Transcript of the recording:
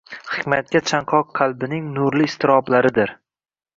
hikmatga chanqoq qalbining nurli iztiroblaridir.